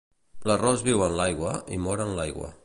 L'arròs viu en l'aigua i mor en l'aigua.